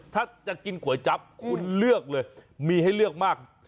ถ้าจะกินก๋วยจั๊บคุณเลือกเลยมีให้เลือกมาก